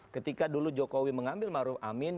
ketika dulu jokowi mengambil maruf amin